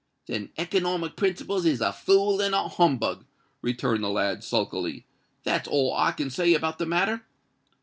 "Then economic principles is a fool and a humbug," returned the lad, sulkily: "that's all I can say about the matter."